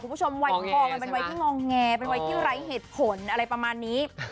วัยทองมันเป็นวัยที่งองแงเป็นวัยที่ไร้เหตุผลอะไรประมาณนี้